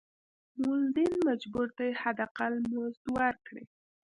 مولدین مجبور دي حد اقل مزد ورکړي.